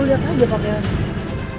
lo lihat aja pakaian